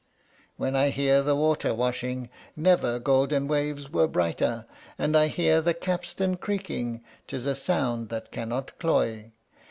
Then I hear the water washing, never golden waves were brighter, And I hear the capstan creaking 'tis a sound that cannot cloy.